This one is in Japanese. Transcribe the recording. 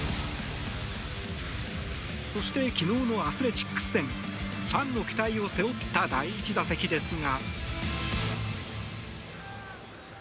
そして、昨日のアスレチックス戦ファンの期待を背負った第１打席ですが。